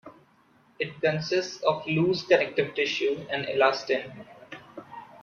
It consists of loose connective tissue and elastin.